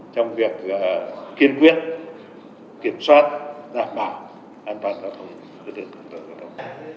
trong việc kiên quyết kiểm soát đảm bảo an toàn giao thông